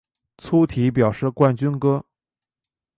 粗体表示冠军歌